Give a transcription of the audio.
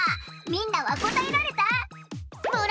みんなはこたえられた？